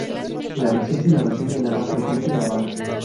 La versión sin narración es la más frecuentemente grabada.